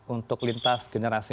untuk lintas generasi